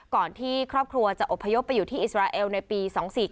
ก่อนที่ครอบครัวจะอบพยพไปอยู่ที่อิสราเอลในปี๒๔๙